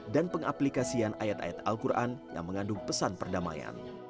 dan pengaplikasian ayat ayat al quran yang mengandung pesan perdamaian